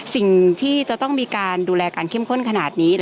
สิ่งที่จะต้องมีการดูแลการเข้มข้นขนาดนี้